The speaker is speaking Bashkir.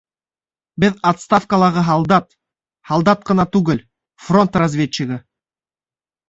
— Беҙ отставкалағы һалдат! һалдат ҡына түгел, фронт разведчигы!